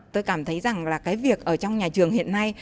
tôi cảm thấy rằng là cái việc ở trong nhà trường hiện nay